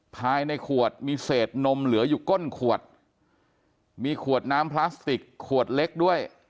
ภายในขวดมีเศษนมเหลืออยู่ก้นขวดมีขวดน้ำพลาสติกขวดเล็กด้วย